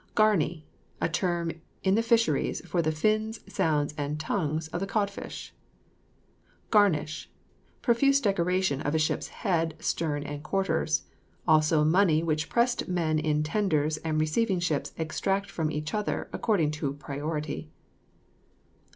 GARNEY. A term in the fisheries for the fins, sounds, and tongues of the cod fish. GARNISH. Profuse decoration of a ship's head, stern, and quarters. Also money which pressed men in tenders and receiving ships exacted from each other, according to priority.